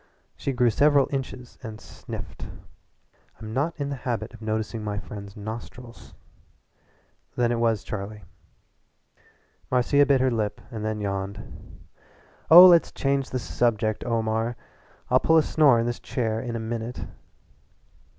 She grew several inches and sniffed. "I'm not in the habit of noticing my friends' nostrils. "Then it was Charlie?" Marcia bit her lip and then yawned. "Oh, let's change the subject, Omar. I'll pull a snore in this chair in a minute."